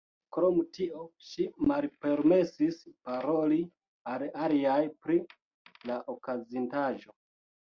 Krom tio ŝi malpermesis paroli al aliaj pri la okazintaĵo.